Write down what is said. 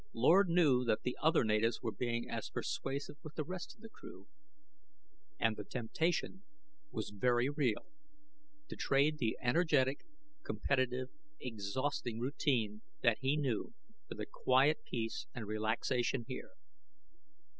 Lord knew that the other natives were being as persuasive with the rest of the crew. And the temptation was very real: to trade the energetic, competitive, exhausting routine that he knew for the quiet peace and relaxation here.